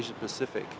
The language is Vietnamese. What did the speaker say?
chúng ta có thể